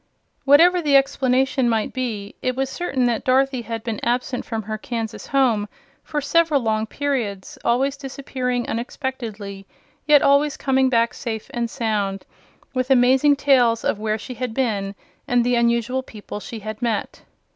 Whatever the explanation might be, it was certain that Dorothy had been absent from her Kansas home for several long periods, always disappearing unexpectedly, yet always coming back safe and sound, with amazing tales of where she had been and the unusual people she had met.